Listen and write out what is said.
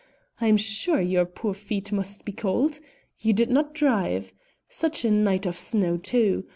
I'm sure your poor feet must be cold. You did not drive? Such a night of snow too!